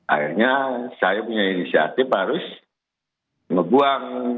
akhirnya saya punya inisiatif harus membuang